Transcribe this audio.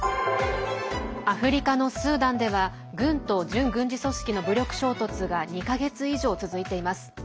アフリカのスーダンでは軍と準軍事組織の武力衝突が２か月以上続いています。